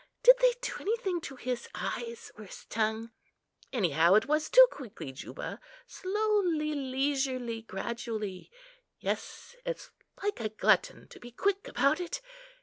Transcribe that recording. —did they do anything to his eyes, or his tongue? Anyhow, it was too quickly, Juba. Slowly, leisurely, gradually. Yes, it's like a glutton to be quick about it.